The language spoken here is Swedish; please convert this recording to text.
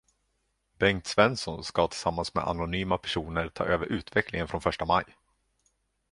Bengt Svensson skall tillsammans med anonyma personer ta över utvecklingen från första maj.